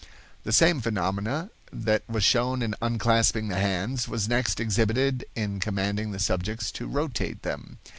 The same phenomena that was shown in unclasping the hands, was next exhibited in commanding the subjects to rotate them.